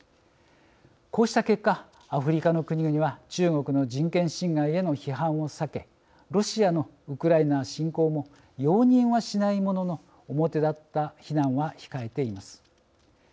こうした結果アフリカの国々は中国の人権侵害への批判を避けロシアのウクライナ侵攻も容認はしないものの表立った非難は控えています。